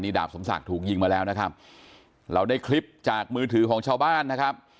ดาบสมศักดิ์ถูกยิงมาแล้วนะครับเราได้คลิปจากมือถือของชาวบ้านนะครับ